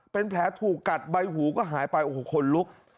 เป็นแผลถูกกัดใบหูก็หายไปโอ้โหคนลุก